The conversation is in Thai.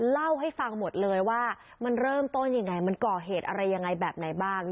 เล่าให้ฟังหมดเลยว่ามันเริ่มต้นยังไงมันก่อเหตุอะไรยังไงแบบไหนบ้าง